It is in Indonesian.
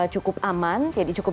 cukup aman jadi cukup